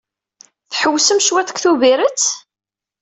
Tḥewwsem cwiṭ deg Tubirett?